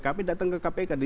kami datang ke kpk